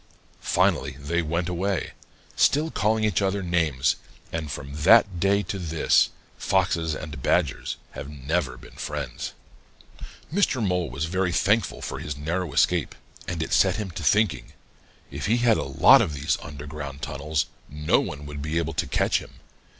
Finally they went away, still calling each other names, and from that day to this, Foxes and Badgers have never been friends. "Mr. Mole was very thankful for his narrow escape, and it set him to thinking. If he had a lot of these underground tunnels, no one would be able to catch him.